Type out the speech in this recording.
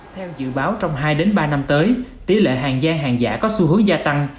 theo dự báo trong hai ba năm tới tỷ lệ hàng gian hàng giả có xu hướng gia tăng